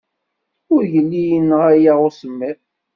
Ur yelli yenɣa-aɣ usemmiḍ.